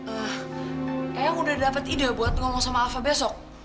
ah kayaknya udah dapet ide buat ngomong sama alfa besok